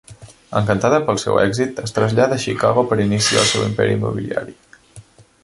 Encantada pel seu èxit, es trasllada a Xicago per iniciar el seu imperi immobiliari.